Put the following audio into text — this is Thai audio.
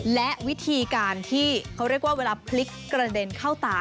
และวิธีการที่เขาเรียกว่าเวลาพลิกกระเด็นเข้าตา